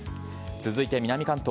続いて南関東。